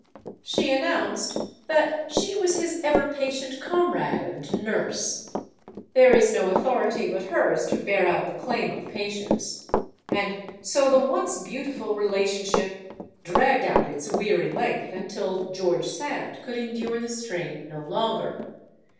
She announced that she was his ever GEORGE SAND 171 patient comrade and nurse. There is no authority but hers to bear out the claim of patience. And so the once beautiful relationship dragged out its weary length until George Sand could endure the strain no longer.